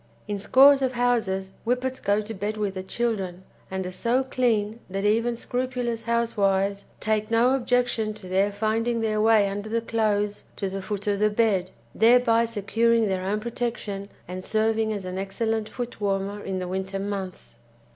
In scores of houses Whippets go to bed with the children, and are so clean that even scrupulous housewives take no objection to their finding their way under the clothes to the foot of the bed, thereby securing their own protection and serving as an excellent footwarmer in the winter months.